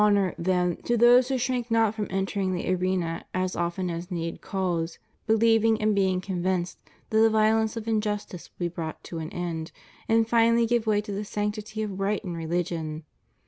201 Honor, then, to those who shrink not from entering the arena as often as need calls, believing and being con vinced that the violence of injustice will be brought to an end and finally give way to the sanctity of right and religion!